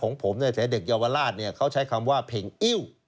ของผมเนี่ยแต่เด็กเยาวราชเขาใช้คำว่าเพลงอิ้ว